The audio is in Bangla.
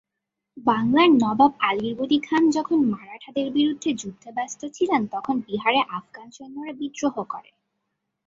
বাংলার নবাব আলীবর্দী খান যখন মারাঠাদের বিরুদ্ধে যুদ্ধে ব্যস্ত ছিলেন, তখন বিহারে আফগান সৈন্যরা বিদ্রোহ করে।